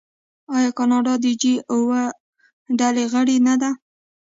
آیا کاناډا د جي اوه ډلې غړی نه دی؟